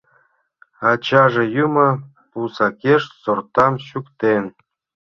Ачаже юмо пусакеш сортам чӱктен.